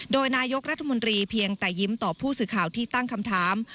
โดยนายกรัฐมนตรีเพียงแต่ยิ้มต่อผู้สื่อข่าวที่ตั้งคำถาม